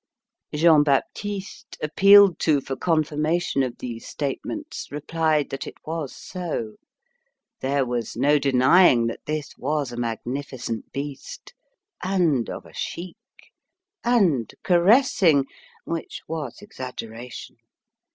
Jean Baptiste, appealed to for confirmation of these statements, replied that it was so. There was no denying that this was a magnificent beast. And of a chic. And caressing (which was exaggeration).